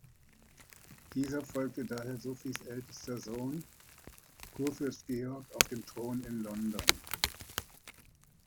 Dieser folgte daher Sophies ältester Sohn, Kurfürst Georg, auf dem Thron in London.